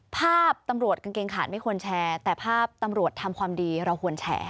ภาพตำรวจกางเกงขาดไม่ควรแชร์แต่ภาพตำรวจทำความดีเราควรแชร์